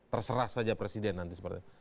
terserah saja presiden nanti seperti itu